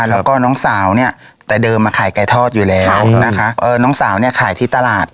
แล้วก็น้องสาวเนี่ยแต่เดิมมาขายไก่ทอดอยู่แล้วนะคะน้องสาวเนี่ยขายที่ตลาด